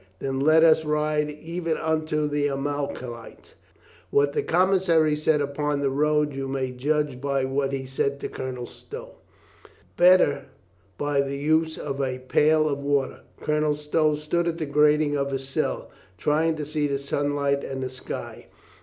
Then let us ride even unto the Amalekite." What the commissary said upon the road you may judge by what he said to Colonel Stow. The better by the use of a pail of water. Colonel Stow stood at the grating of his cell, trying to see the sunlight and the sky.